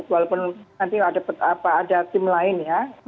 walaupun nanti ada tim lain ya